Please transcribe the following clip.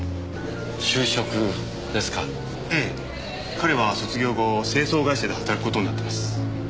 彼は卒業後清掃会社で働く事になってます。